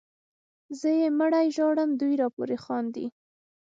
زه یې مړی ژاړم دوی راپورې خاندي